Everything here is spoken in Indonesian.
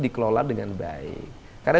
dikelola dengan baik karena